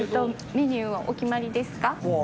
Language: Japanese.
メニューはお決まりですか？